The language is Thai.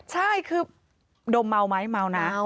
ใช่คือดมเมาไหมเมานะ